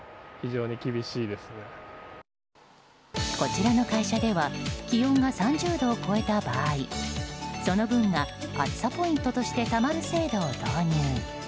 こちらの会社では気温が３０度を超えた場合その分が暑さポイントとしてたまる制度を導入。